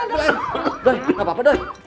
doi tidak apa apa doi